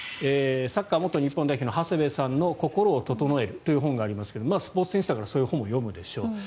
サッカー元日本代表の長谷部さんの「心を整える。」という本がありますがスポーツ選手だからそういう本も読むでしょう。